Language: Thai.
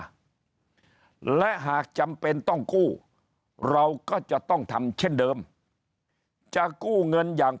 มาและหากจำเป็นต้องกู้เราก็จะต้องทำเช่นเดิมจะกู้เงินอย่าง